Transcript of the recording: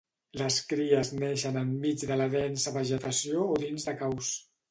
Les cries neixen enmig de la densa vegetació o dins de caus.